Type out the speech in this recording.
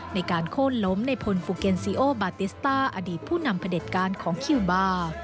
ในการโค้นล้มในพลฟูเก็นซีโอบาติสต้าอดีตผู้นำพระเด็จการของคิวบาร์